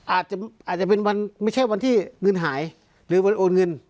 อาจจะเป็นวันไม่ใช่วันที่เงินหายหรือวันโอนเงิน